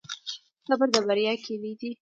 صبر د بریا کیلي ده